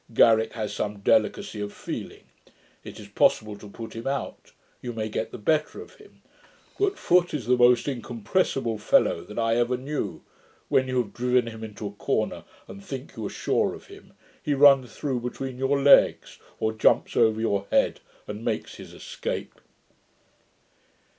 Garrick has some delicacy of feeling; it is possible to put him out; you may get the better of him; but Foote is the most incompressible fellow that I ever knew: when you have driven him into a corner, and think you are sure of him, he runs through between your legs, or jumps over your head, and makes his escape.'